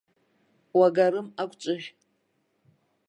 Уагарым агәҿыӷь.